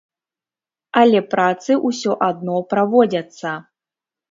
Але працы ўсё адно праводзяцца.